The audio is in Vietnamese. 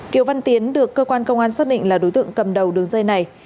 kiều văn tiến được cơ quan công an xác định là đối tượng cầm đầu đường dây này